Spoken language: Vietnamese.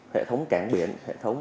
hệ thống cảng biển hệ thống